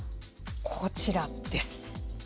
こちらです。